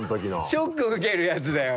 ショック受けるやつだよ。